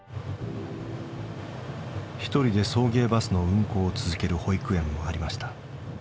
１人で送迎バスの運行を続ける保育園もありました。